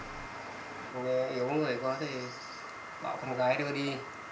một người yếu người quá thì bảo con gái đưa đi